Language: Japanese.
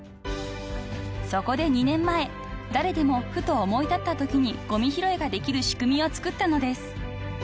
［そこで２年前誰でもふと思い立ったときにごみ拾いができる仕組みをつくったのです］